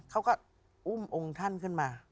เขาก็อุ้มองค์ท่านขึ้นมา